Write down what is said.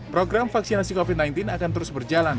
program vaksinasi covid sembilan belas akan terus berjalan